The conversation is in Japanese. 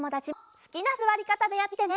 すきなすわりかたでやってみてね！